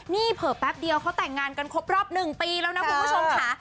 นี่เผลอแป๊บเดียวเขาแต่งงานกันครบรอบ๑ปีแล้วนะคุณผู้ชมค่ะ